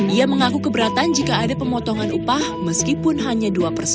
ia mengaku keberatan jika ada pemotongan upah meskipun hanya dua persen